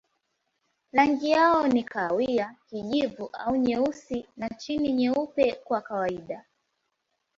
Rangi yao ni kahawia, kijivu au nyeusi na chini nyeupe kwa kawaida.